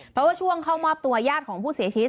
เพราะว่าช่วงเข้ามอบตัวญาติของผู้เสียชีวิต